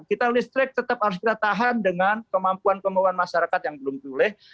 kita listrik tetap harus kita tahan dengan kemampuan kemampuan masyarakat yang belum pulih